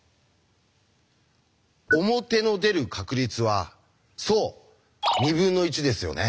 表の出る確率はそう２分の１ですよね。